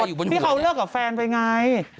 พี่โครทำเลอกกับแฟนไปไหน